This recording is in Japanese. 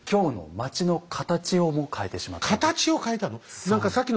形を変えたの？